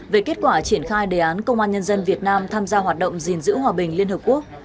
về kết quả triển khai đề án công an nhân dân việt nam tham gia hoạt động gìn giữ hòa bình liên hợp quốc